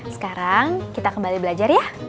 sekarang kita kembali belajar ya